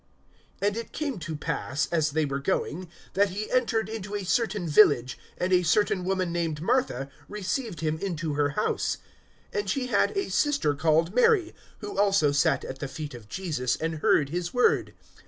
(38)And it came to pass, as they were going, that he entered into a certain village; and a certain woman named Martha received him into her house. (39)And she had a sister called Mary, who also sat at the feet of Jesus, and heard his word.